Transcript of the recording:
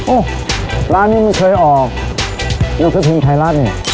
โอ้ร้านนี้ไม่เคยออกนี่คือพิมพ์ไทรัสนี่